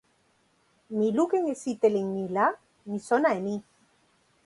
mi lukin e sitelen ni la mi sona e ni.